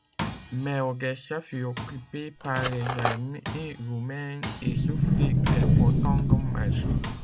Mais Odessa fut occupée par les armées roumaines et souffrit d'importants dommages.